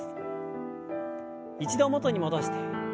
一度元に戻して。